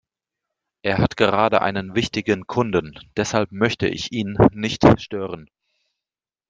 Er hat gerade einen wichtigen Kunden, deshalb möchte ich ihn nicht stören.